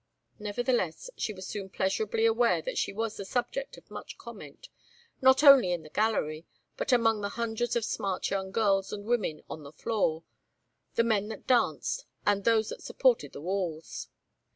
Nevertheless, she was soon pleasurably aware that she was the subject of much comment, not only in the gallery, but among the hundreds of smart young girls and women on the floor, the men that danced, and those that supported the walls.